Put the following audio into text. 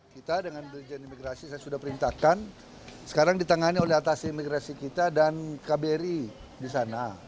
kita dengan dirjen imigrasi saya sudah perintahkan sekarang ditangani oleh atas imigrasi kita dan kbri di sana